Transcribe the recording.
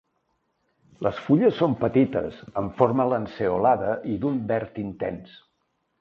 Les fulles són petites amb forma lanceolada i d'un verd intens.